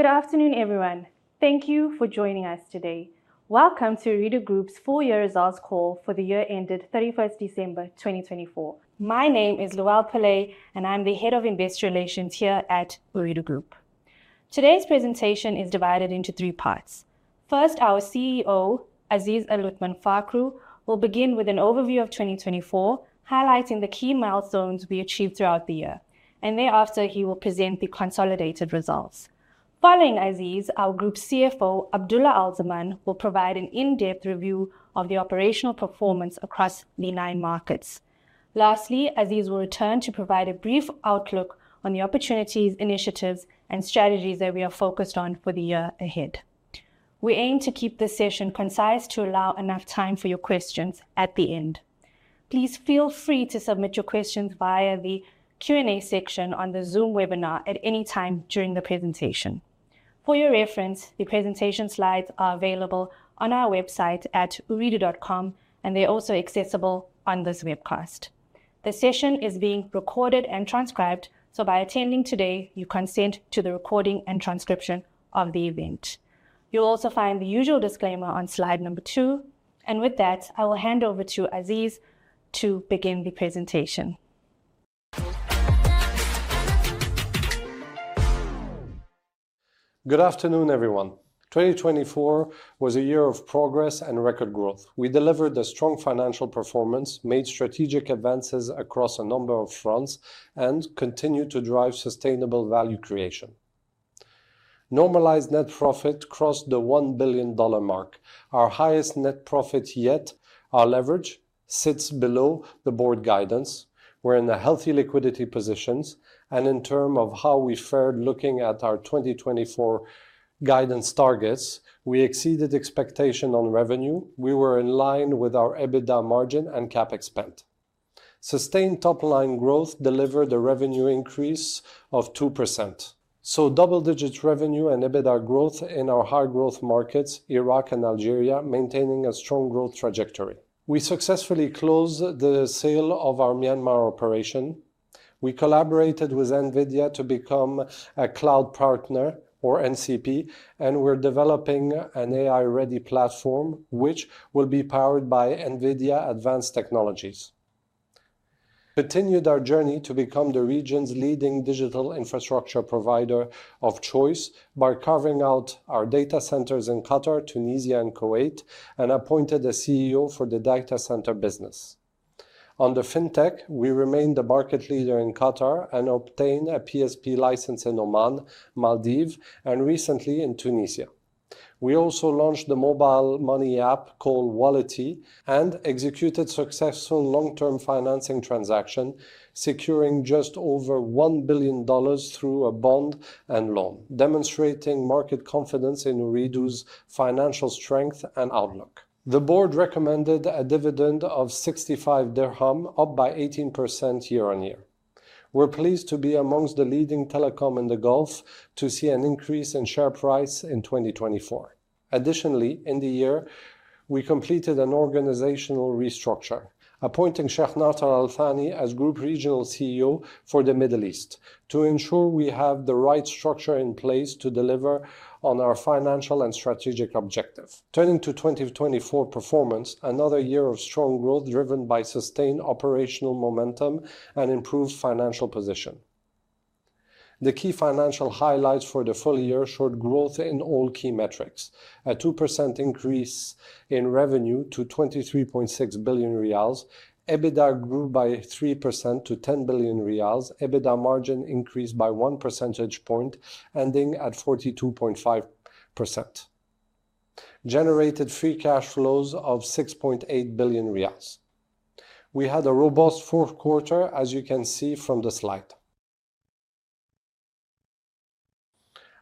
Good afternoon, everyone. Thank you for joining us today. Welcome to Ooredoo Group's full year results call for the year ended 31st December 2024. My name is Luelle Pillay, and I'm the Head of Investor Relations here at Ooredoo Group. Today's presentation is divided into three parts. First, our CEO, Aziz Aluthman Fakhroo, will begin with an overview of 2024, highlighting the key milestones we achieved throughout the year, and thereafter, he will present the consolidated results. Following Aziz, our Group CFO, Abdulla Al-Zaman, will provide an in-depth review of the operational performance across the nine markets. Lastly, Aziz will return to provide a brief outlook on the opportunities, initiatives, and strategies that we are focused on for the year ahead. We aim to keep this session concise to allow enough time for your questions at the end. Please feel free to submit your questions via the Q&A section on the Zoom webinar at any time during the presentation. For your reference, the presentation slides are available on our website at ooredoo.com, and they're also accessible on this webcast. The session is being recorded and transcribed, so by attending today, you consent to the recording and transcription of the event. You'll also find the usual disclaimer on slide number two. And with that, I will hand over to Aziz to begin the presentation. Good afternoon, everyone. 2024 was a year of progress and record growth. We delivered a strong financial performance, made strategic advances across a number of fronts, and continued to drive sustainable value creation. Normalized net profit crossed the $1 billion mark, our highest net profit yet. Our leverage sits below the board guidance. We're in a healthy liquidity position. And in terms of how we fared, looking at our 2024 guidance targets, we exceeded expectation on revenue. We were in line with our EBITDA margin and CapEx. Sustained top-line growth delivered a revenue increase of 2%. So, double-digit revenue and EBITDA growth in our high-growth markets, Iraq and Algeria, maintaining a strong growth trajectory. We successfully closed the sale of our Myanmar operation. We collaborated with NVIDIA to become a cloud partner, or NCP, and we're developing an AI-ready platform, which will be powered by NVIDIA advanced technologies. Continued our journey to become the region's leading digital infrastructure provider of choice by carving out our data centers in Qatar, Tunisia, and Kuwait, and appointed a CEO for the data center business. On the fintech, we remained the market leader in Qatar and obtained a PSP license in Oman, Maldives, and recently in Tunisia. We also launched the mobile money app called Walletii and executed successful long-term financing transactions, securing just over $1 billion through a bond and loan, demonstrating market confidence in Ooredoo's financial strength and outlook. The board recommended a dividend of QAR 0.65, up by 18% year-on-year. We're pleased to be among the leading telecoms in the Gulf to see an increase in share price in 2024. Additionally, in the year, we completed an organizational restructure, appointing Sheikh Nawaf Al Thani as Group Regional CEO for the Middle East to ensure we have the right structure in place to deliver on our financial and strategic objectives. Turning to 2024 performance, another year of strong growth driven by sustained operational momentum and improved financial position. The key financial highlights for the full year showed growth in all key metrics: a 2% increase in revenue to 23.6 billion riyals, EBITDA grew by 3% to 10 billion riyals, EBITDA margin increased by one percentage point, ending at 42.5%, and generated free cash flows of 6.8 billion riyals. We had a robust fourth quarter, as you can see from the slide.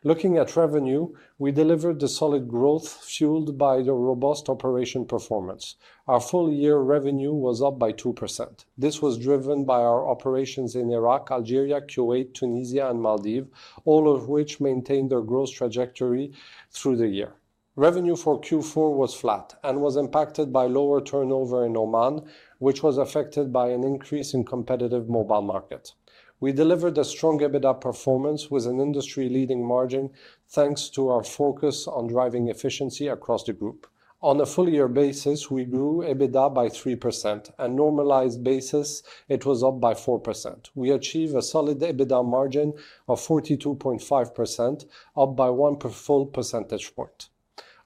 Looking at revenue, we delivered solid growth fueled by robust operational performance. Our full-year revenue was up by 2%. This was driven by our operations in Iraq, Algeria, Kuwait, Tunisia, and Maldives, all of which maintained their growth trajectory through the year. Revenue for Q4 was flat and was impacted by lower turnover in Oman, which was affected by an increase in competitive mobile markets. We delivered strong EBITDA performance with an industry-leading margin, thanks to our focus on driving efficiency across the group. On a full-year basis, we grew EBITDA by 3%. On a normalized basis, it was up by 4%. We achieved a solid EBITDA margin of 42.5%, up by one full percentage point.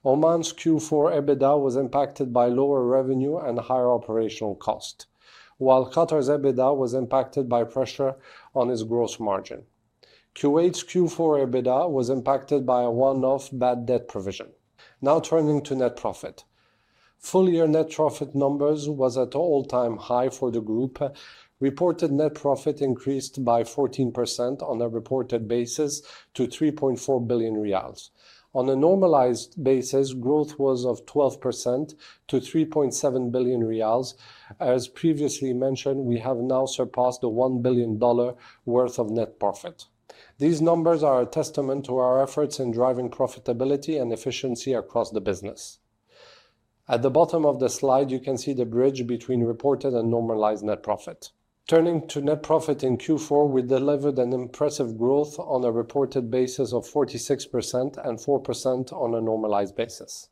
Oman's Q4 EBITDA was impacted by lower revenue and higher operational costs, while Qatar's EBITDA was impacted by pressure on its gross margin. Kuwait's Q4 EBITDA was impacted by a one-off bad debt provision. Now turning to net profit. Full-year net profit numbers were at an all-time high for the group. Reported net profit increased by 14% on a reported basis to 3.4 billion riyals. On a normalized basis, growth was of 12% to 3.7 billion riyals. As previously mentioned, we have now surpassed the $1 billion worth of net profit. These numbers are a testament to our efforts in driving profitability and efficiency across the business. At the bottom of the slide, you can see the bridge between reported and normalized net profit. Turning to net profit in Q4, we delivered impressive growth on a reported basis of 46% and 4% on a normalized basis.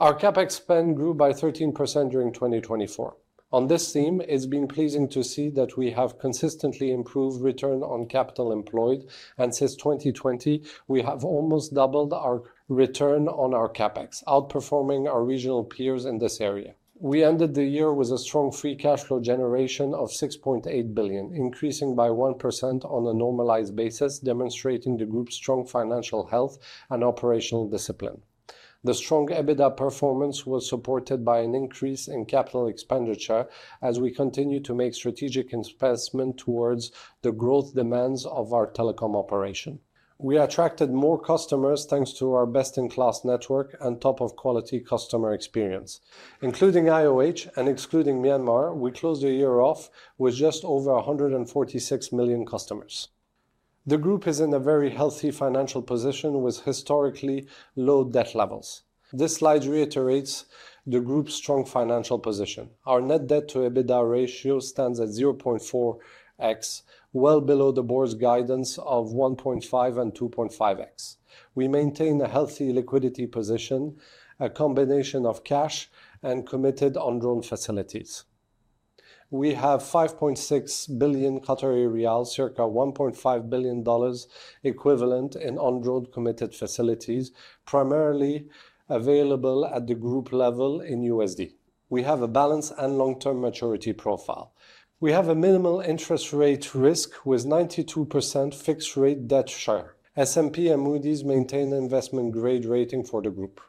Our CapEx grew by 13% during 2024. On this theme, it's been pleasing to see that we have consistently improved return on capital employed, and since 2020, we have almost doubled our return on our CapEx, outperforming our regional peers in this area. We ended the year with a strong free cash flow generation of 6.8 billion, increasing by 1% on a normalized basis, demonstrating the group's strong financial health and operational discipline. The strong EBITDA performance was supported by an increase in capital expenditure as we continue to make strategic investments towards the growth demands of our telecom operation. We attracted more customers thanks to our best-in-class network and top-quality customer experience. Including IOH and excluding Myanmar, we closed the year off with just over 146 million customers. The group is in a very healthy financial position with historically low debt levels. This slide reiterates the group's strong financial position. Our net debt-to-EBITDA ratio stands at 0.4x, well below the board's guidance of 1.5x and 2.5x. We maintain a healthy liquidity position, a combination of cash and committed facilities. We have 5.6 billion Qatari riyals, circa $1.5 billion equivalent, in committed facilities, primarily available at the group level in USD. We have a balanced and long-term maturity profile. We have a minimal interest rate risk with a 92% fixed-rate debt share. S&P and Moody's maintain an investment-grade rating for the group.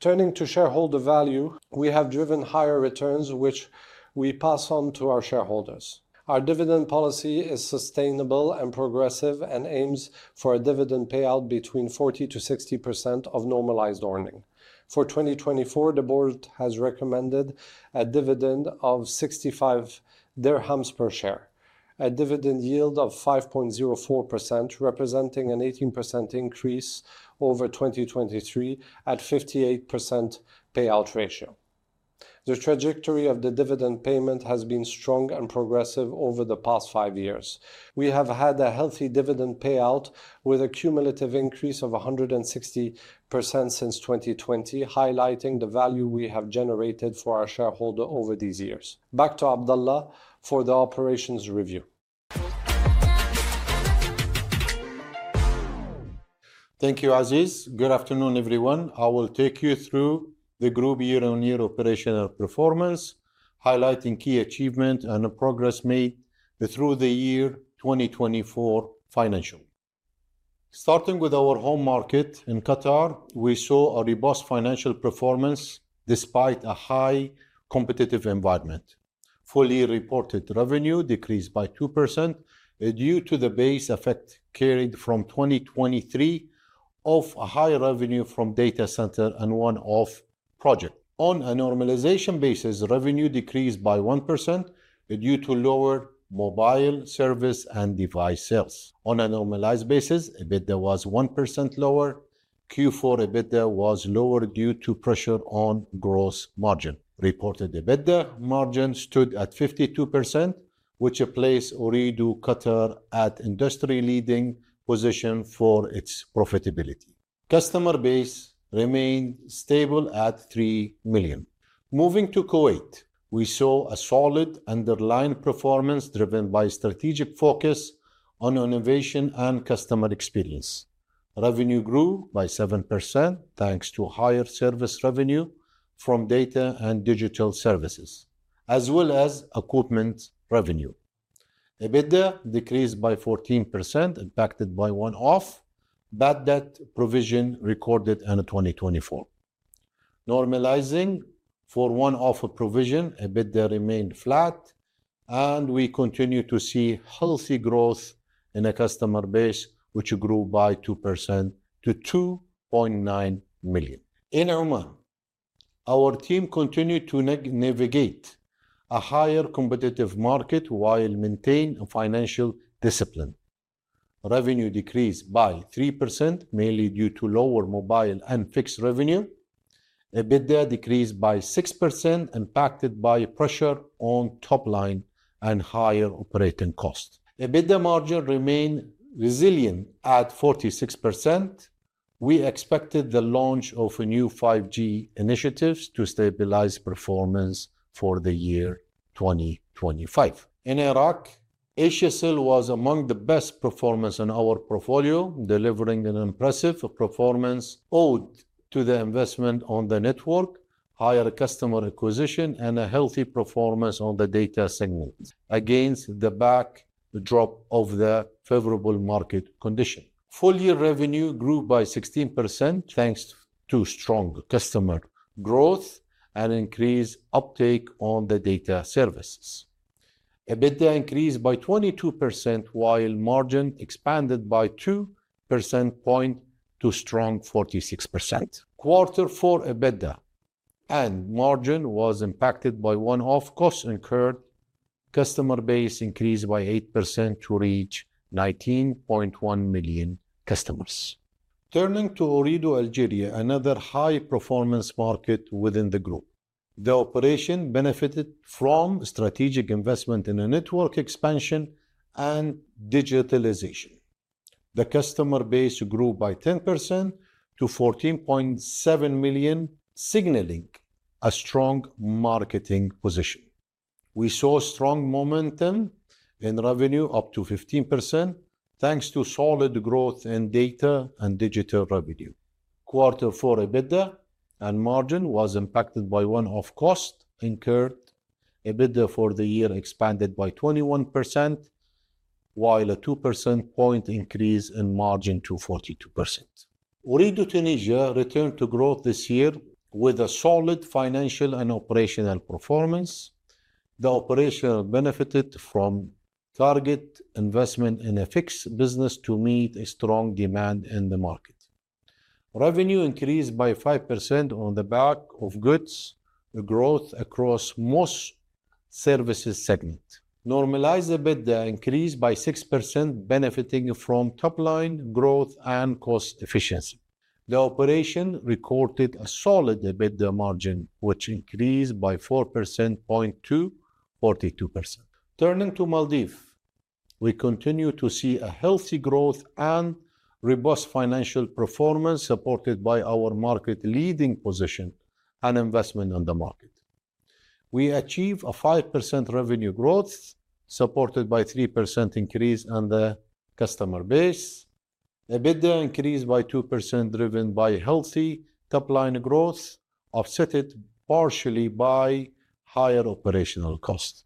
Turning to shareholder value, we have driven higher returns, which we pass on to our shareholders. Our dividend policy is sustainable and progressive and aims for a dividend payout between 40%-60% of normalized earnings. For 2024, the board has recommended a dividend of 65 dirhams per share, a dividend yield of 5.04%, representing an 18% increase over 2023 at a 58% payout ratio. The trajectory of the dividend payment has been strong and progressive over the past five years. We have had a healthy dividend payout with a cumulative increase of 160% since 2020, highlighting the value we have generated for our shareholders over these years. Back to Abdulla for the operations review. Thank you, Aziz. Good afternoon, everyone. I will take you through the group year-on-year operational performance, highlighting key achievements and progress made through the year 2024 financially. Starting with our home market in Qatar, we saw a robust financial performance despite a high competitive environment. Full-year reported revenue decreased by 2% due to the base effect carried from 2023 of high revenue from data center and one-off projects. On a normalization basis, revenue decreased by 1% due to lower mobile service and device sales. On a normalized basis, EBITDA was 1% lower. Q4 EBITDA was lower due to pressure on gross margin. Reported EBITDA margin stood at 52%, which places Ooredoo Qatar at an industry-leading position for its profitability. Customer base remained stable at 3 million. Moving to Kuwait, we saw a solid underlying performance driven by a strategic focus on innovation and customer experience. Revenue grew by 7% thanks to higher service revenue from data and digital services, as well as equipment revenue. EBITDA decreased by 14%, impacted by one-off bad debt provision recorded in 2024. Normalizing for one-off provision, EBITDA remained flat, and we continue to see healthy growth in the customer base, which grew by 2% to 2.9 million. In Oman, our team continued to navigate a higher competitive market while maintaining financial discipline. Revenue decreased by 3%, mainly due to lower mobile and fixed revenue. EBITDA decreased by 6%, impacted by pressure on top-line and higher operating costs. EBITDA margin remained resilient at 46%. We expected the launch of new 5G initiatives to stabilize performance for the year 2025. In Iraq, Asiacell was among the best performers in our portfolio, delivering an impressive performance owed to the investment on the network, higher customer acquisition, and a healthy performance on the data segment against the backdrop of the favorable market conditions. Full-year revenue grew by 16% thanks to strong customer growth and increased uptake on the data services. EBITDA increased by 22%, while margin expanded by 2 percentage points to a strong 46%. Quarter four EBITDA and margin were impacted by one-off costs incurred. Customer base increased by 8% to reach 19.1 million customers. Turning to Ooredoo Algeria, another high-performance market within the group. The operation benefited from strategic investment in network expansion and digitalization. The customer base grew by 10% to 14.7 million, signaling a strong market position. We saw strong momentum in revenue, up 15%, thanks to solid growth in data and digital revenue. Quarter four EBITDA and margin were impacted by one-off costs incurred. EBITDA for the year expanded by 21%, while a 2% increase in margin to 42%. Ooredoo Tunisia returned to growth this year with solid financial and operational performance. The operation benefited from targeted investment in fixed business to meet strong demand in the market. Revenue increased by 5% on the back of good growth across most services segments. Normalized EBITDA increased by 6%, benefiting from top-line growth and cost efficiency. The operation recorded a solid EBITDA margin, which increased by 4% to 42%. Turning to Maldives, we continue to see healthy growth and robust financial performance supported by our market-leading position and investment in the market. We achieved a 5% revenue growth, supported by a 3% increase in the customer base. EBITDA increased by 2%, driven by healthy top-line growth, offset partially by higher operational costs.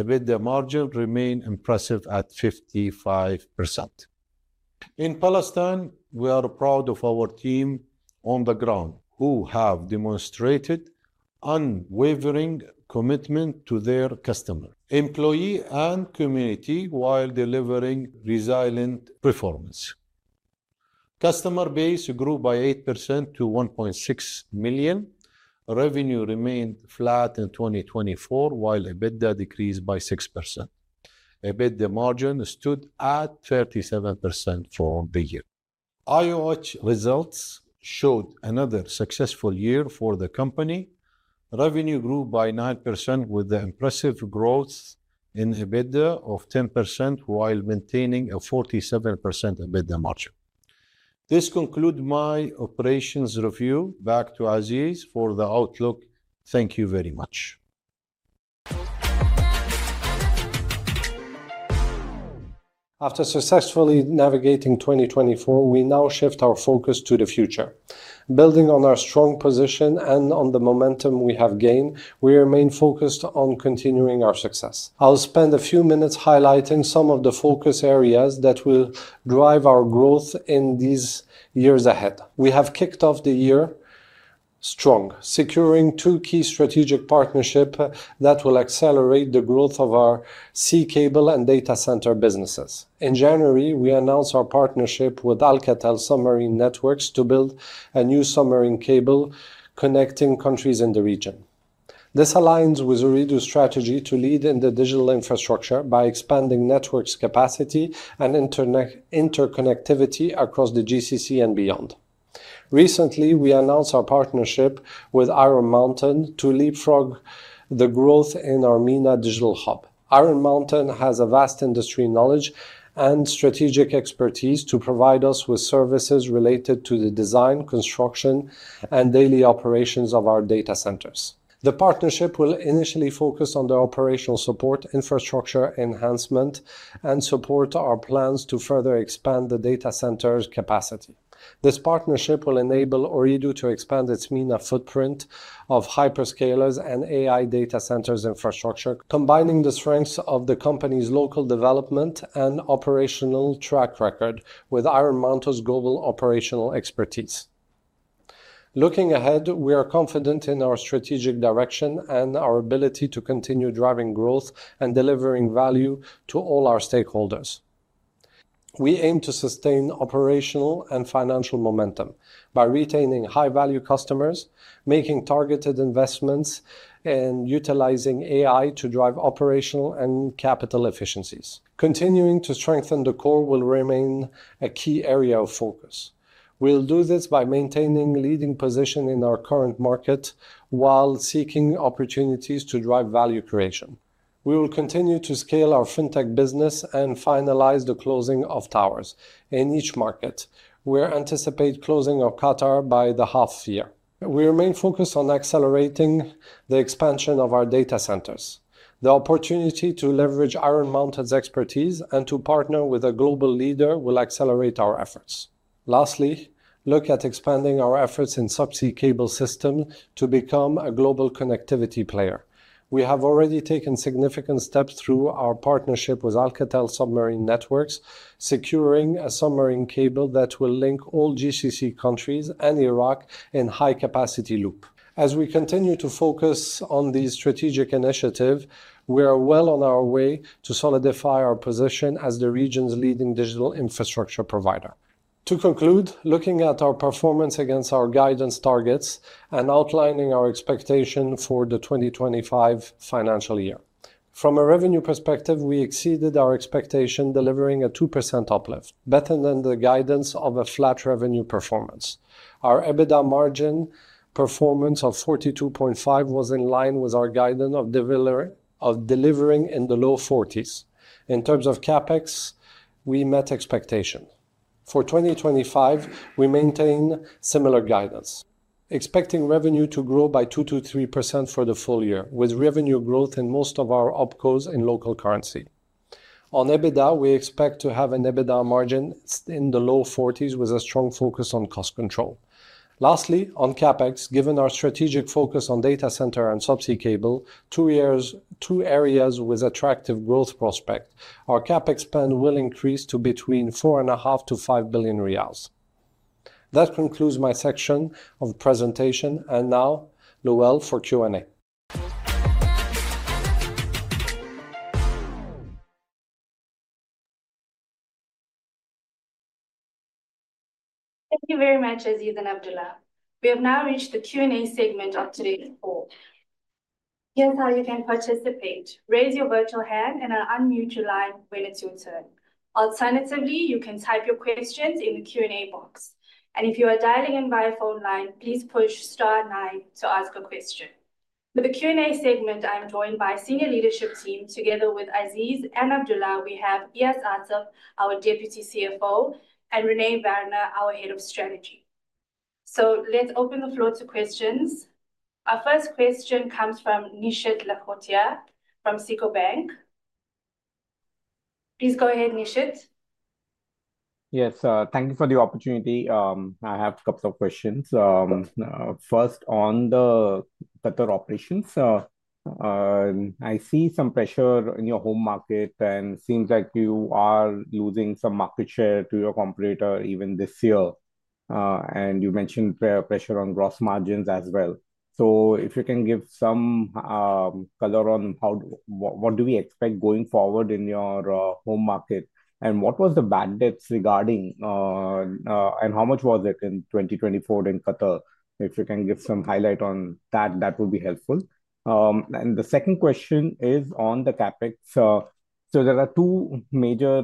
EBITDA margin remained impressive at 55%. In Palestine, we are proud of our team on the ground, who have demonstrated unwavering commitment to their customers, employees, and community while delivering resilient performance. Customer base grew by 8% to 1.6 million. Revenue remained flat in 2024, while EBITDA decreased by 6%. EBITDA margin stood at 37% for the year. IOH results showed another successful year for the company. Revenue grew by 9%, with impressive growth in EBITDA of 10%, while maintaining a 47% EBITDA margin. This concludes my operations review. Back to Aziz for the outlook. Thank you very much. After successfully navigating 2024, we now shift our focus to the future. Building on our strong position and on the momentum we have gained, we remain focused on continuing our success. I'll spend a few minutes highlighting some of the focus areas that will drive our growth in these years ahead. We have kicked off the year strong, securing two key strategic partnerships that will accelerate the growth of our subsea cable and data center businesses. In January, we announced our partnership with Alcatel Submarine Networks to build a new submarine cable connecting countries in the region. This aligns with Ooredoo's strategy to lead in the digital infrastructure by expanding network capacity and interconnectivity across the GCC and beyond. Recently, we announced our partnership with Iron Mountain to leapfrog the growth in our MENA digital hub. Iron Mountain has vast industry knowledge and strategic expertise to provide us with services related to the design, construction, and daily operations of our data centers. The partnership will initially focus on the operational support, infrastructure enhancement, and support our plans to further expand the data center's capacity. This partnership will enable Ooredoo to expand its MENA footprint of hyperscalers and AI data centers infrastructure, combining the strengths of the company's local development and operational track record with Iron Mountain's global operational expertise. Looking ahead, we are confident in our strategic direction and our ability to continue driving growth and delivering value to all our stakeholders. We aim to sustain operational and financial momentum by retaining high-value customers, making targeted investments, and utilizing AI to drive operational and capital efficiencies. Continuing to strengthen the core will remain a key area of focus. We'll do this by maintaining a leading position in our current market while seeking opportunities to drive value creation. We will continue to scale our fintech business and finalize the closing of towers in each market. We anticipate closing of Qatar by the half year. We remain focused on accelerating the expansion of our data centers. The opportunity to leverage Iron Mountain's expertise and to partner with a global leader will accelerate our efforts. Lastly, look at expanding our efforts in subsea cable systems to become a global connectivity player. We have already taken significant steps through our partnership with Alcatel Submarine Networks, securing a submarine cable that will link all GCC countries and Iraq in a high-capacity loop. As we continue to focus on these strategic initiatives, we are well on our way to solidify our position as the region's leading digital infrastructure provider. To conclude, looking at our performance against our guidance targets and outlining our expectations for the 2025 financial year. From a revenue perspective, we exceeded our expectations, delivering a 2% uplift, better than the guidance of a flat revenue performance. Our EBITDA margin performance of 42.5% was in line with our guidance of delivering in the low 40s. In terms of CapEx, we met expectations. For 2025, we maintain similar guidance, expecting revenue to grow by 2%-3% for the full year, with revenue growth in most of our OpCos in local currency. On EBITDA, we expect to have an EBITDA margin in the low 40s with a strong focus on cost control. Lastly, on CapEx, given our strategic focus on data center and subsea cable, two areas with attractive growth prospects, our CapEx spend will increase to between 4.5 billion-5 riyals billion. That concludes my section of the presentation, and now, Luelle, for Q&A. Thank you very much, Aziz and Abdulla. We have now reached the Q&A segment of today's call. Here's how you can participate. Raise your virtual hand and unmute your line when it's your turn. Alternatively, you can type your questions in the Q&A box. And if you are dialing in via phone line, please push *9 to ask a question. For the Q&A segment, I'm joined by a senior leadership team. Together with Aziz and Abdulla, we have Iyas Assaf, our Deputy CFO, and Rene Werner, our Head of Strategy. So let's open the floor to questions. Our first question comes from Nishit Lakhotia from SICO Bank. Please go ahead, Nishit. Yes, thank you for the opportunity. I have a couple of questions. First, on the Qatar operations, I see some pressure in your home market, and it seems like you are losing some market share to your competitor even this year. And you mentioned pressure on gross margins as well. So if you can give some color on what do we expect going forward in your home market, and what were the bandwidths regarding, and how much was it in 2024 in Qatar? If you can give some highlight on that, that would be helpful. And the second question is on the CapEx. So there are two major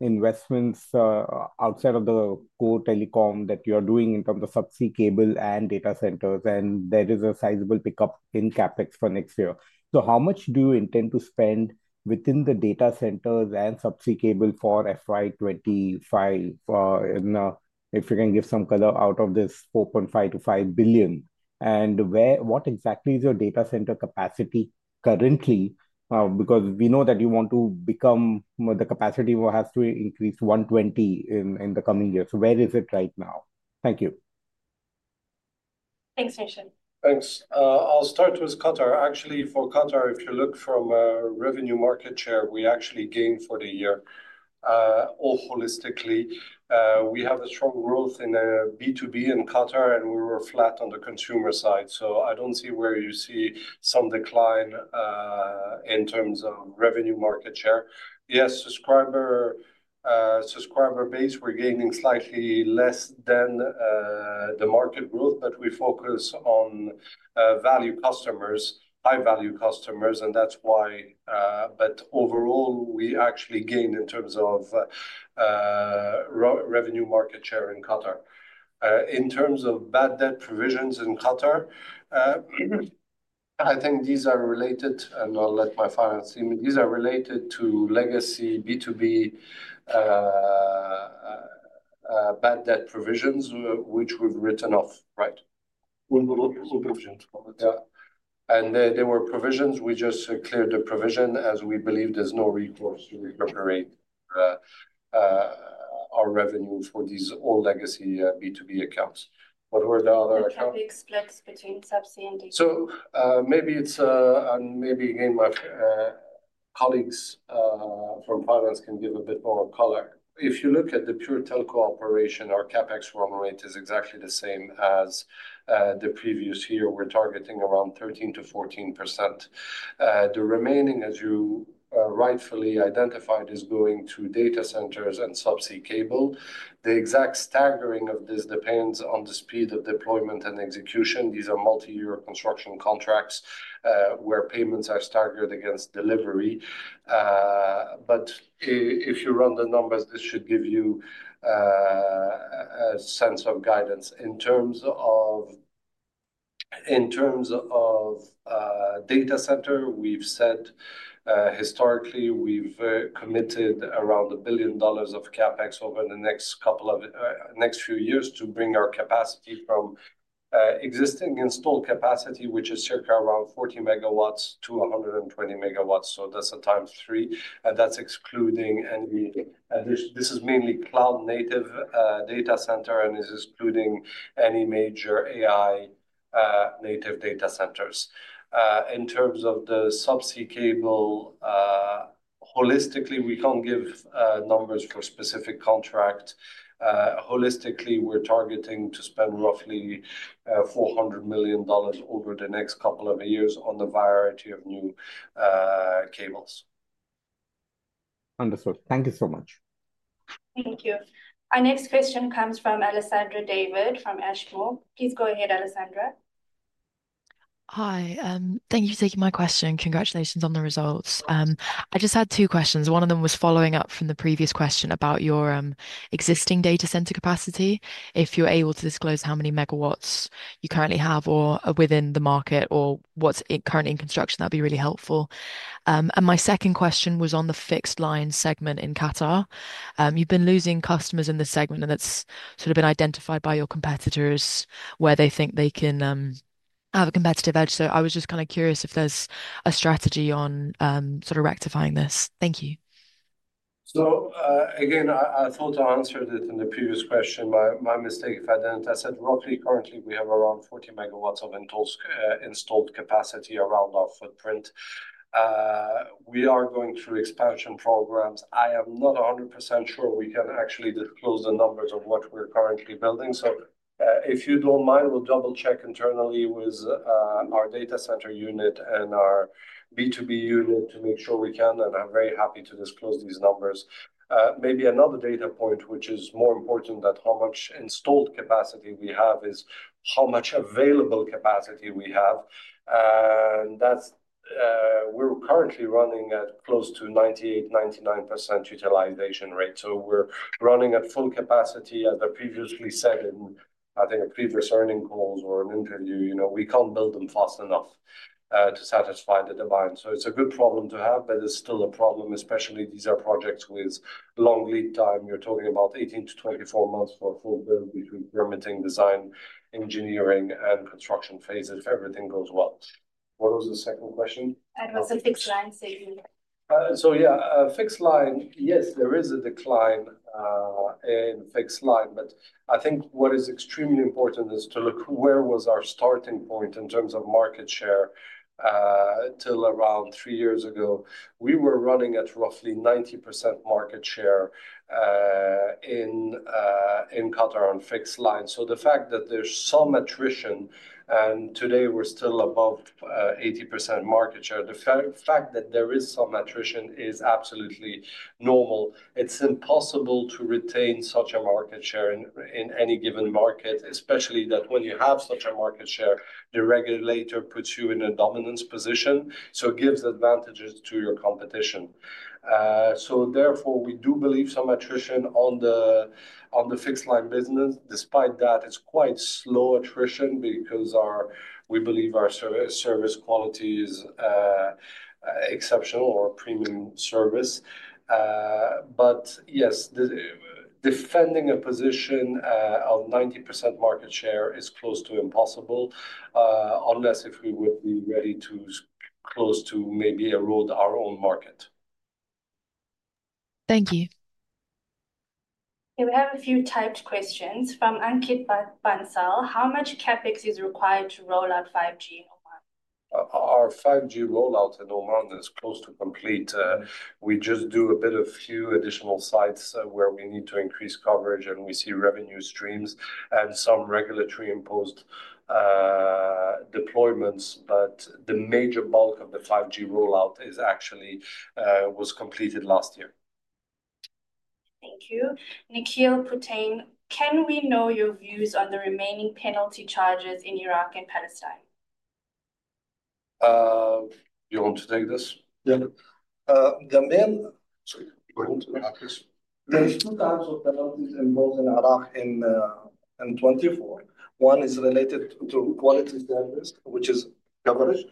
investments outside of the core telecom that you are doing in terms of subsea cable and data centers, and there is a sizable pickup in CapEx for next year. So how much do you intend to spend within the data centers and subsea cable for FY 2025, if you can give some color out of this 4.5 billion-5 billion? And what exactly is your data center capacity currently? Because we know that you want to become the capacity that has to increase 120 in the coming years. So where is it right now? Thank you. Thanks, Nishit. Thanks. I'll start with Qatar. Actually, for Qatar, if you look from a revenue market share, we actually gained for the year, all holistically. We have a strong growth in B2B in Qatar, and we were flat on the consumer side. So I don't see where you see some decline in terms of revenue market share. Yes, subscriber base, we're gaining slightly less than the market growth, but we focus on high-value customers, and that's why. But overall, we actually gained in terms of revenue market share in Qatar. In terms of bad debt provisions in Qatar, I think these are related, and I'll let my finance team, these are related to legacy B2B bad debt provisions, which we've written off, right? And there were provisions. We just cleared the provision as we believe there's no recourse to recuperate our revenue for these old legacy B2B accounts. What were the other accounts? CapEx splits between subsea and digital. So maybe it's, and maybe again, my colleagues from finance can give a bit more color. If you look at the pure telco operation, our CapEx run rate is exactly the same as the previous year. We're targeting around 13%-14%. The remaining, as you rightfully identified, is going to data centers and subsea cable. The exact staggering of this depends on the speed of deployment and execution. These are multi-year construction contracts where payments are staggered against delivery. But if you run the numbers, this should give you a sense of guidance. In terms of data center, we've said historically we've committed around $1 billion of CapEx over the next couple of few years to bring our capacity from existing installed capacity, which is circa around 40 MW to 120 MW. So that's a times three. That's excluding any. This is mainly cloud-native data center and is excluding any major AI-native data centers. In terms of the subsea cable, holistically, we can't give numbers for specific contracts. Holistically, we're targeting to spend roughly $400 million over the next couple of years on the variety of new cables. Understood. Thank you so much. Thank you. Our next question comes from Alessandra David from Ashmore. Please go ahead, Alessandra. Hi. Thank you for taking my question. Congratulations on the results. I just had two questions. One of them was following up from the previous question about your existing data center capacity. If you're able to disclose how many megawatts you currently have or are within the market or what's currently in construction, that'd be really helpful, and my second question was on the fixed line segment in Qatar. You've been losing customers in this segment, and that's sort of been identified by your competitors where they think they can have a competitive edge, so I was just kind of curious if there's a strategy on sort of rectifying this. Thank you. Again, I thought I answered it in the previous question. My mistake if I didn't. I said roughly currently we have around 40 MW of installed capacity around our footprint. We are going through expansion programs. I am not 100% sure we can actually disclose the numbers of what we're currently building. If you don't mind, we'll double-check internally with our data center unit and our B2B unit to make sure we can. I'm very happy to disclose these numbers. Maybe another data point, which is more important, that how much installed capacity we have is how much available capacity we have. We're currently running at close to 98%-99% utilization rate. We're running at full capacity. As I previously said in, I think, a previous earnings call or an interview, we can't build them fast enough to satisfy the demand. So it's a good problem to have, but it's still a problem, especially these are projects with long lead time. You're talking about 18-24 months for a full build between permitting, design, engineering, and construction phase if everything goes well. What was the second question? That was a fixed line segment. So yeah, fixed line, yes, there is a decline in fixed line. But I think what is extremely important is to look where was our starting point in terms of market share till around three years ago. We were running at roughly 90% market share in Qatar on fixed line. So the fact that there's some attrition, and today we're still above 80% market share, the fact that there is some attrition is absolutely normal. It's impossible to retain such a market share in any given market, especially that when you have such a market share, the regulator puts you in a dominance position. So it gives advantages to your competition. So therefore, we do believe some attrition on the fixed line business. Despite that, it's quite slow attrition because we believe our service quality is exceptional or premium service. But yes, defending a position of 90% market share is close to impossible, unless if we would be ready to close to maybe erode our own market. Thank you. Okay, we have a few typed questions from Ankit Bansal. How much CapEx is required to roll out 5G in Oman? Our 5G rollout in Oman is close to complete. We just do a bit of a few additional sites where we need to increase coverage, and we see revenue streams and some regulatory imposed deployments, but the major bulk of the 5G rollout was completed last year. Thank you. Nikhil Puthenchery, can we know your views on the remaining penalty charges in Iraq and Palestine? You want to take this? Yeah. The main, sorry, going to Iraq is there are two types of penalties imposed in Iraq in 2024. One is related to quality service, which is coverage,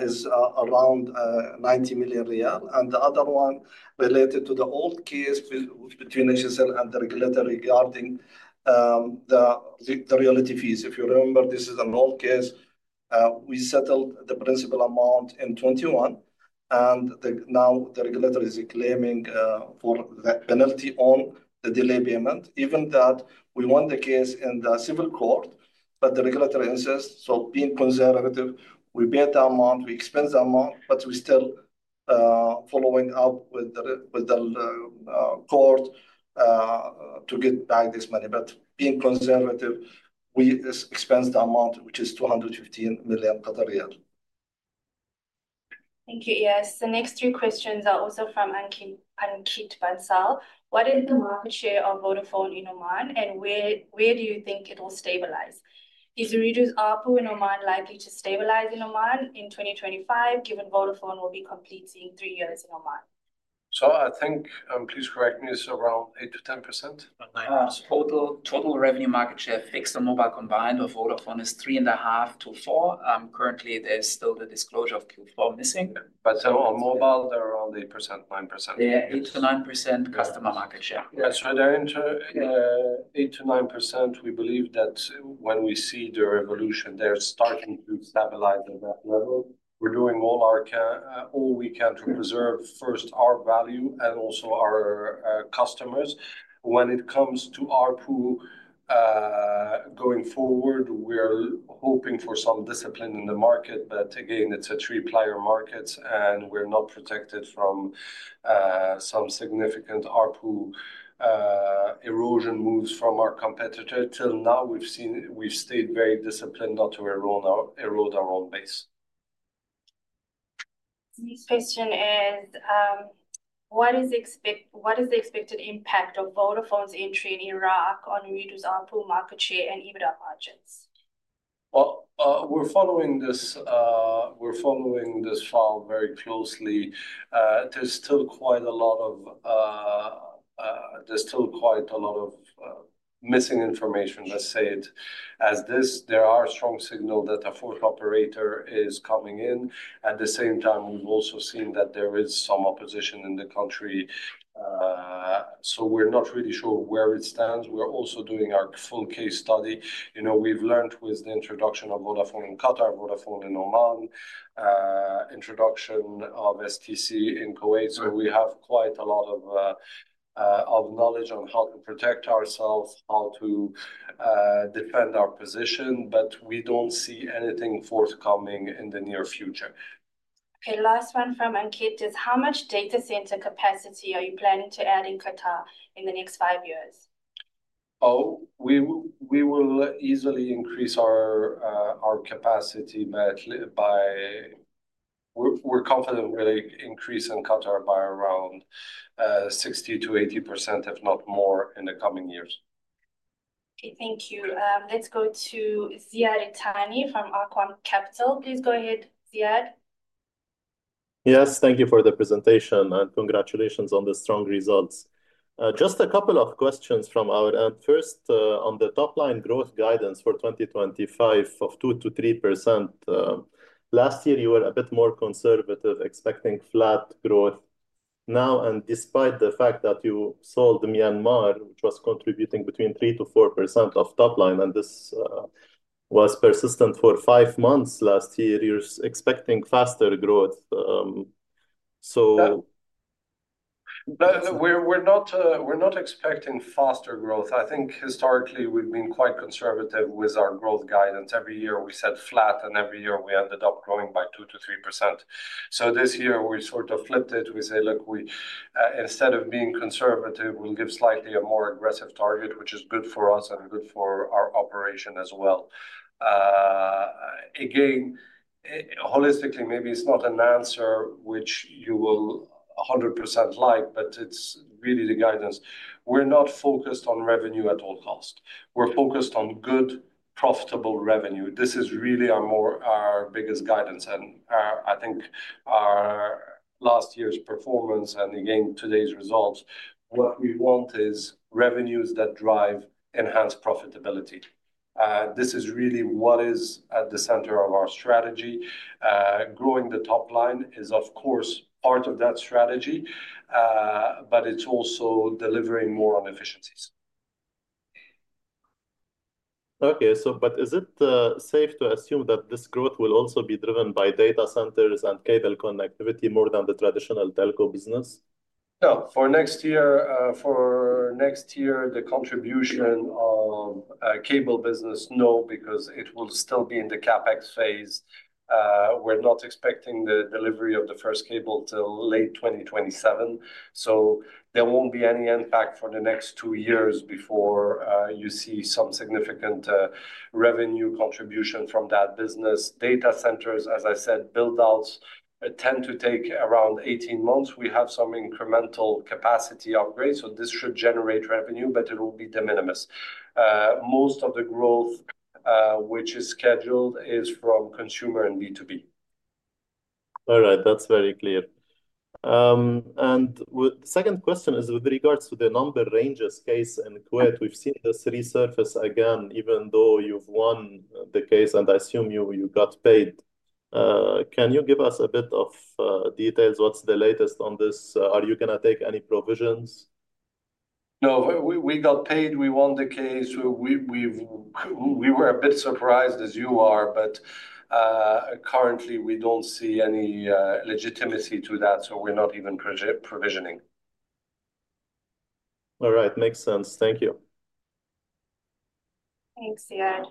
is around QAR 90 million. And the other one related to the old case between Asiacell and the regulator regarding the royalty fees. If you remember, this is an old case. We settled the principal amount in 2021, and now the regulator is claiming for that penalty on the delay payment. Even that, we won the case in the civil court, but the regulator insists. So being conservative, we pay the amount, we expense the amount, but we're still following up with the court to get back this money. But being conservative, we expense the amount, which is 215 million. Thank you. Yes, the next three questions are also from Ankit Bansal. What is the market share of Vodafone in Oman, and where do you think it will stabilize? Is Ooredoo's ARPU in Oman likely to stabilize in Oman in 2025, given Vodafone will be completing three years in Oman? I think, and please correct me, it's around 8%-10%. Total revenue market share fixed on mobile combined of Vodafone is 3.5%-4%. Currently, there's still the disclosure of Q4 missing. But on mobile, they're around 8%, 9%. Yeah, 8%-9% customer market share. Yes, so 8%-9%, we believe that when we see the revolution, they're starting to stabilize at that level. We're doing all we can to preserve first our value and also our customers. When it comes to ARPU going forward, we're hoping for some discipline in the market. But again, it's a three-player market, and we're not protected from some significant ARPU erosion moves from our competitor. Till now, we've stayed very disciplined not to erode our own base. Next question is, what is the expected impact of Vodafone's entry in Iraq on Ooredoo's ARPU market share and EBITDA margins? We're following this file very closely. There's still quite a lot of missing information, let's say it like this. There are strong signals that a fourth operator is coming in. At the same time, we've also seen that there is some opposition in the country. We're not really sure where it stands. We're also doing our full case study. We've learned with the introduction of Vodafone in Qatar, Vodafone in Oman, introduction of stc in Kuwait. We have quite a lot of knowledge on how to protect ourselves, how to defend our position, but we don't see anything forthcoming in the near future. Okay, last one from Ankit is, how much data center capacity are you planning to add in Qatar in the next five years? Oh, we will easily increase our capacity, but we're confident we'll increase in Qatar by around 60%-80%, if not more, in the coming years. Okay, thank you. Let's go to Ziad Itani from Arqaam Capital. Please go ahead, Ziad. Yes, thank you for the presentation, and congratulations on the strong results. Just a couple of questions from our end. First, on the top-line growth guidance for 2025 of 2%-3%, last year, you were a bit more conservative, expecting flat growth. Now, and despite the fact that you sold Myanmar, which was contributing between 3%-4% of top line, and this was persistent for five months last year, you're expecting faster growth. So. We're not expecting faster growth. I think historically, we've been quite conservative with our growth guidance. Every year, we said flat, and every year, we ended up growing by 2%-3%. So this year, we sort of flipped it. We say, look, instead of being conservative, we'll give slightly a more aggressive target, which is good for us and good for our operation as well. Again, holistically, maybe it's not an answer which you will 100% like, but it's really the guidance. We're not focused on revenue at all costs. We're focused on good, profitable revenue. This is really our biggest guidance. And I think our last year's performance and again, today's results, what we want is revenues that drive enhanced profitability. This is really what is at the center of our strategy. Growing the top line is, of course, part of that strategy, but it's also delivering more on efficiencies. Okay, but is it safe to assume that this growth will also be driven by data centers and cable connectivity more than the traditional telco business? No. For next year, for next year, the contribution of cable business, no, because it will still be in the CapEx phase. We're not expecting the delivery of the first cable till late 2027. So there won't be any impact for the next two years before you see some significant revenue contribution from that business. Data centers, as I said, build-outs tend to take around 18 months. We have some incremental capacity upgrades, so this should generate revenue, but it will be de minimis. Most of the growth, which is scheduled, is from consumer and B2B. All right, that's very clear. And the second question is with regards to the number ranges case in Kuwait, we've seen this resurface again, even though you've won the case, and I assume you got paid. Can you give us a bit of details? What's the latest on this? Are you going to take any provisions? No, we got paid. We won the case. We were a bit surprised, as you are, but currently, we don't see any legitimacy to that, so we're not even provisioning. All right, makes sense. Thank you. Thanks, Ziad.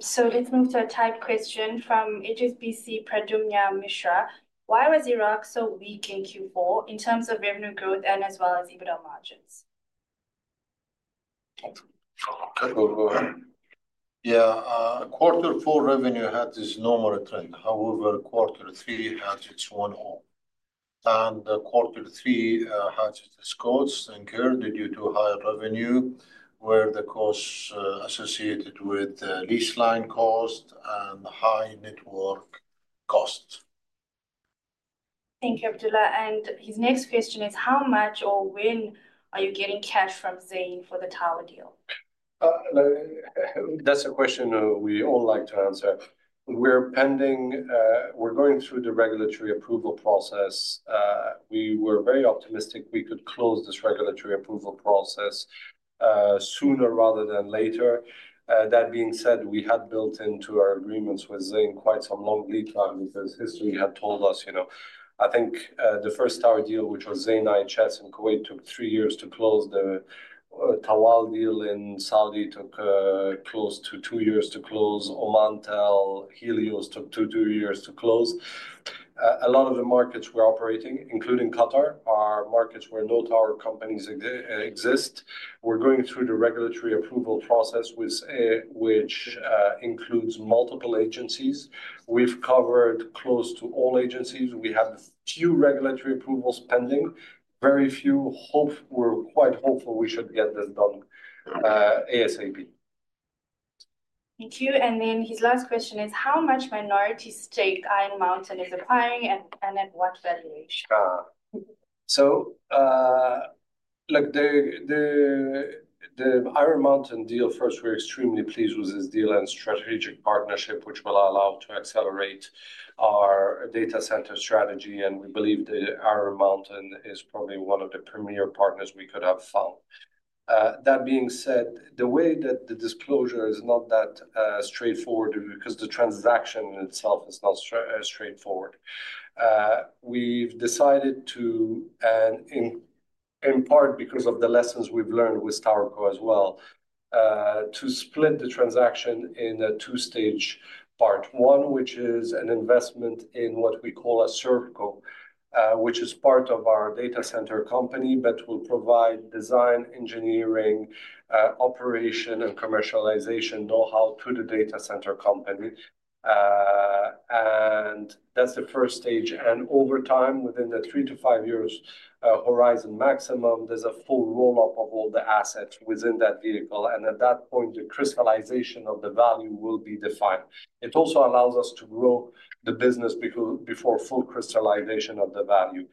So let's move to a typed question from HSBC Pradyumna Mishra. Why was Iraq so weak in Q4 in terms of revenue growth and as well as EBITDA margins? Yeah, Q4 revenue had this normal trend. However, Q3 had its one-off, and Q3 had its costs incurred due to high revenue, where the costs associated with lease line cost and high network cost. Thank you, Abdulla. And his next question is, how much or when are you getting cash from Zain for the tower deal? That's a question we all like to answer. We're going through the regulatory approval process. We were very optimistic we could close this regulatory approval process sooner rather than later. That being said, we had built into our agreements with Zain quite some long lead time because history had told us. I think the first tower deal, which was Zain IHS in Kuwait, took three years to close. The TAWAL deal in Saudi took close to two years to close. Omantel, Helios took two years to close. A lot of the markets we're operating, including Qatar, are markets where no tower companies exist. We're going through the regulatory approval process, which includes multiple agencies. We've covered close to all agencies. We have a few regulatory approvals pending. Very few. We're quite hopeful we should get this done ASAP. Thank you. And then his last question is, how much minority stake Iron Mountain is acquiring and at what valuation? So look, the Iron Mountain deal, first, we're extremely pleased with this deal and strategic partnership, which will allow to accelerate our data center strategy. And we believe that Iron Mountain is probably one of the premier partners we could have found. That being said, the way that the disclosure is not that straightforward because the transaction itself is not straightforward. We've decided to, in part because of the lessons we've learned with TowerCo as well, to split the transaction in a two-stage part. One, which is an investment in what we call a ServCo which is part of our data center company, but will provide design, engineering, operation, and commercialization know-how to the data center company. And that's the first stage. And over time, within the three-to five-year horizon maximum, there's a full roll-up of all the assets within that vehicle. At that point, the crystallization of the value will be defined. It also allows us to grow the business before full crystallization of the value.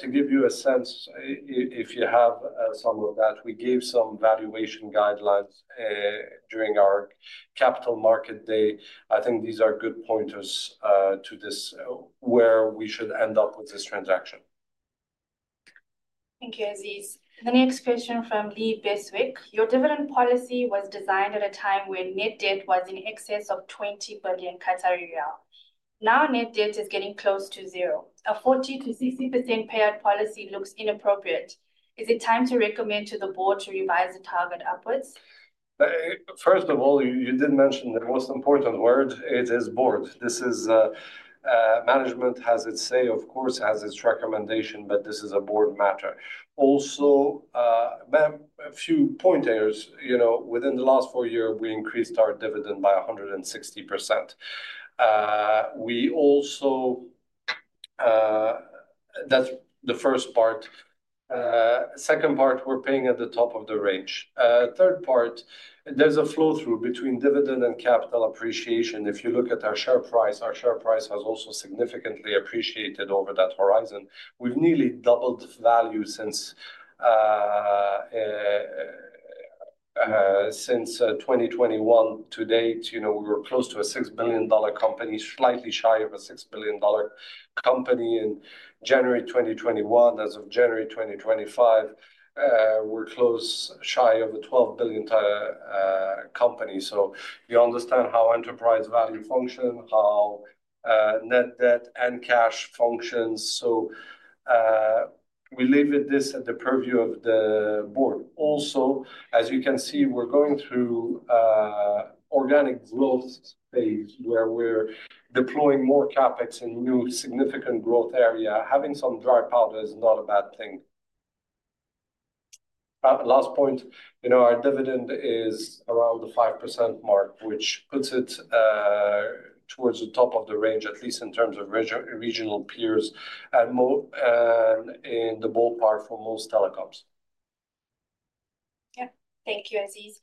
To give you a sense, if you have some of that, we gave some valuation guidelines during our capital market day. I think these are good pointers to where we should end up with this transaction. Thank you, Aziz. The next question from Lee Beswick. Your dividend policy was designed at a time when net debt was in excess of 20 billion. Now, net debt is getting close to zero. A 40%-60% payout policy looks inappropriate. Is it time to recommend to the board to revise the target upwards? First of all, you did mention the most important word. It is board. This is management has its say, of course, has its recommendation, but this is a board matter. Also, a few pointers. Within the last four years, we increased our dividend by 160%. That's the first part. Second part, we're paying at the top of the range. Third part, there's a flow-through between dividend and capital appreciation. If you look at our share price, our share price has also significantly appreciated over that horizon. We've nearly doubled value since 2021 to date. We were close to a $6 billion company, slightly shy of a $6 billion company in January 2021. As of January 2025, we're close shy of a $12 billion company. So you understand how enterprise value functions, how net debt and cash functions. So we leave this at the purview of the board. Also, as you can see, we're going through organic growth phase where we're deploying more CapEx in new significant growth area. Having some dry powder is not a bad thing. Last point, our dividend is around the 5% mark, which puts it towards the top of the range, at least in terms of regional peers and in the ballpark for most telecoms. Yeah, thank you, Aziz.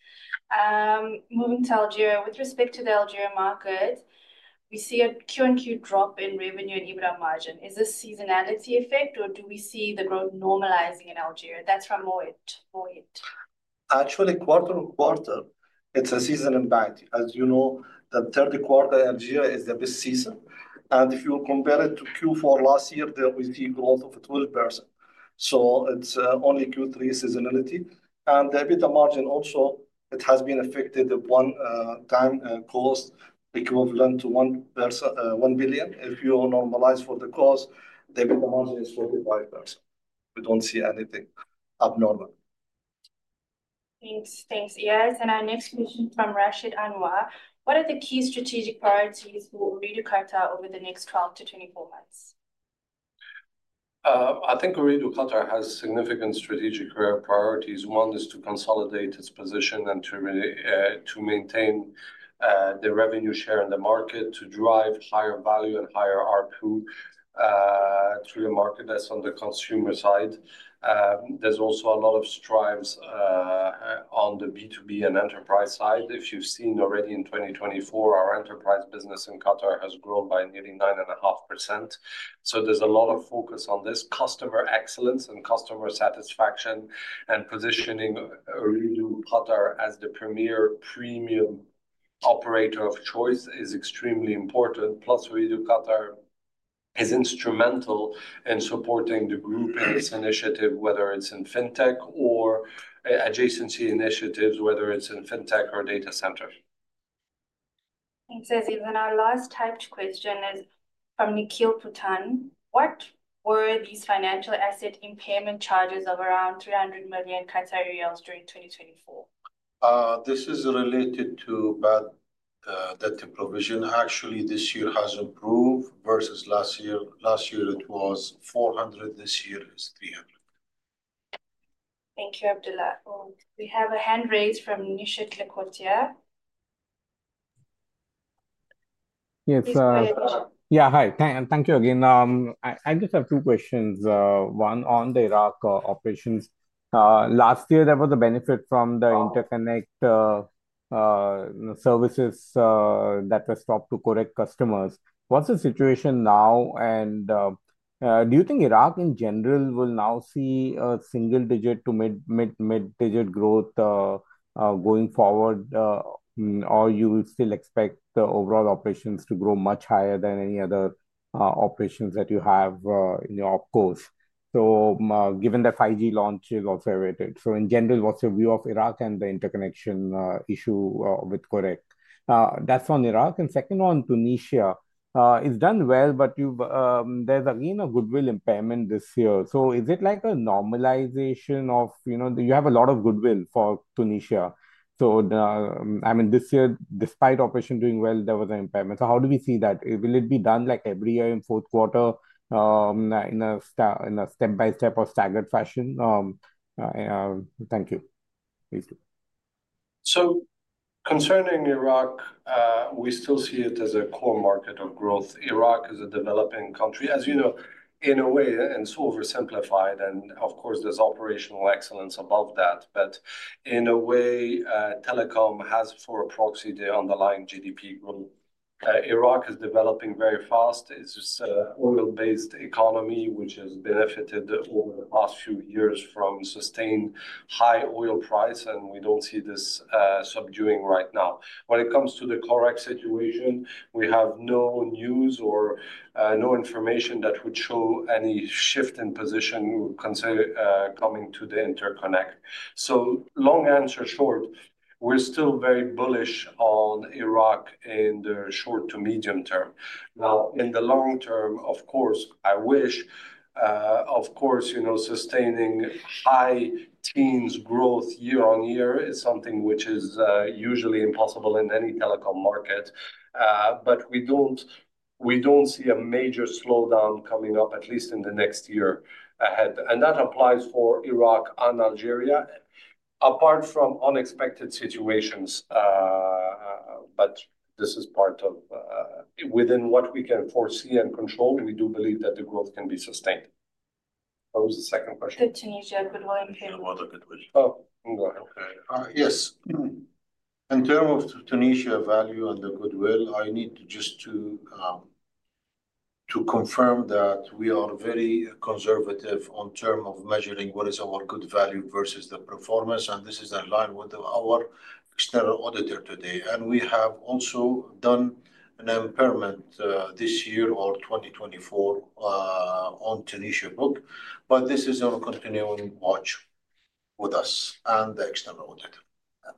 Moving to Algeria. With respect to the Algeria market, we see a Q&Q drop in revenue and EBITDA margin. Is this seasonality effect, or do we see the growth normalizing in Algeria? That's from Mohit. Actually, quarter to quarter, it's a seasonality. As you know, the third quarter, Algeria is the best season. And if you compare it to Q4 last year, there was a growth of 12%. So it's only Q3 seasonality. And the EBITDA margin also, it has been affected one-time cost equivalent to 1 billion. If you normalize for the cost, the EBITDA margin is 45%. We don't see anything abnormal. Thanks. Thanks, Aziz. And our next question from Rashed Anwar. What are the key strategic priorities for Ooredoo Qatar over the next 12 to 24 months? I think Ooredoo Qatar has significant strategic priorities. One is to consolidate its position and to maintain the revenue share in the market to drive higher value and higher ARPU through the market. That's on the consumer side. There's also a lot of strides on the B2B and enterprise side. If you've seen already in 2024, our enterprise business in Qatar has grown by nearly 9.5%. So there's a lot of focus on this. Customer excellence and customer satisfaction and positioning Ooredoo Qatar as the premier premium operator of choice is extremely important. Plus, Ooredoo Qatar is instrumental in supporting the Group Invest initiative, whether it's in fintech or adjacency initiatives, whether it's in fintech or data centers. Thanks, Aziz. And our last typed question is from Nikhil Puthenchery. What were these financial asset impairment charges of around 300 million Qatari riyals during 2024? This is related to that provision. Actually, this year has improved versus last year. Last year, it was 400. This year is 300. Thank you, Abdulla. We have a hand raised from Nishit Lakhotia. Yes. Yeah, hi. Thank you again. I just have two questions. One, on the Iraq operations. Last year, there was a benefit from the interconnect services that were stopped to Korek customers. What's the situation now? And do you think Iraq, in general, will now see a single-digit to mid-digit growth going forward, or you will still expect the overall operations to grow much higher than any other operations that you have across your operations? So given that 5G launch is also awaited, so in general, what's your view of Iraq and the interconnection issue with Korek? That's on Iraq. And second one, Tunisia is done well, but there's again a goodwill impairment this year. So is it like a normalization of you have a lot of goodwill for Tunisia? So I mean, this year, despite operation doing well, there was an impairment. So how do we see that? Will it be done like every year in fourth quarter in a step-by-step or staggered fashion? Thank you. So concerning Iraq, we still see it as a core market of growth. Iraq is a developing country, as you know, in a way, and it's oversimplified. And of course, there's operational excellence above that. But in a way, telecom has for a proxy the underlying GDP growth. Iraq is developing very fast. It's just an oil-based economy, which has benefited over the last few years from sustained high oil price, and we don't see this subsiding right now. When it comes to the Korek situation, we have no news or no information that would show any shift in position coming to the interconnect. So long answer short, we're still very bullish on Iraq in the short to medium term. Now, in the long term, of course, I wish, of course, sustaining high teens growth year on year is something which is usually impossible in any telecom market. But we don't see a major slowdown coming up, at least in the next year ahead. And that applies for Iraq and Algeria, apart from unexpected situations. But this is part of within what we can foresee and control. We do believe that the growth can be sustained. That was the second question. To Tunisia, goodwill impairment. No other goodwill. Oh, go ahead. Okay. Yes. In terms of Tunisia value and the goodwill, I need just to confirm that we are very conservative in terms of measuring what is our goodwill value versus the performance. This is in line with our external auditor to date. We have also done an impairment this year or 2024 on Tunisian book, but this is on continuing watch with us and the external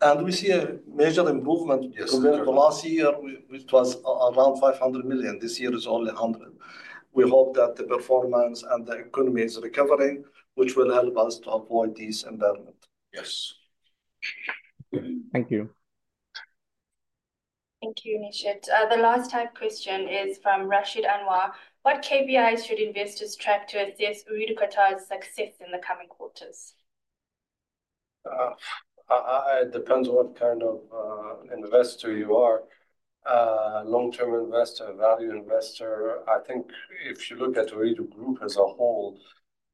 auditor. We see a measured improvement. Last year, it was around 500 million. This year is only 100 million. We hope that the performance and the economy is recovering, which will help us to avoid this impairment. Thank you. Thank you, Nishit. The last type question is from Rashid Anwar. What KPIs should investors track to assess Ooredoo Qatar's success in the coming quarters? It depends on what kind of investor you are. Long-term investor, value investor. I think if you look at Ooredoo Group as a whole,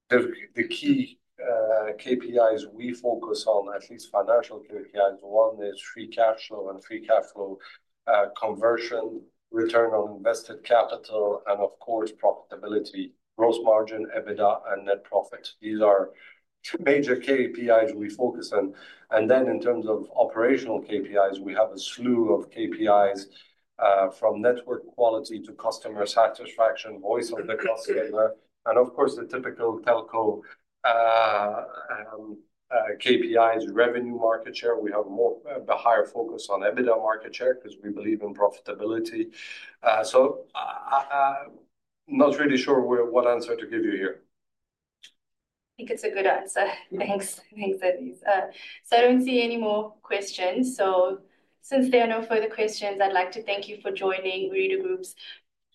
the key KPIs we focus on, at least financial KPIs, one is free cash flow and free cash flow conversion, return on invested capital, and of course, profitability, gross margin, EBITDA, and net profit. These are two major KPIs we focus on. And then in terms of operational KPIs, we have a slew of KPIs from network quality to customer satisfaction, voice of the customer, and of course, the typical telco KPIs, revenue market share. We have a higher focus on EBITDA market share because we believe in profitability. So I'm not really sure what answer to give you here. I think it's a good answer. Thanks, Aziz. So I don't see any more questions. So since there are no further questions, I'd like to thank you for joining Ooredoo Group's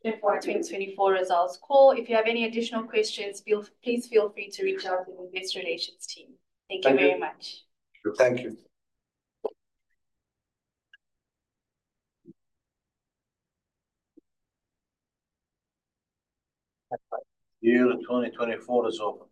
2024 results call. If you have any additional questions, please feel free to reach out to the investor relations team. Thank you very much. Thank you. Year 2024 is over.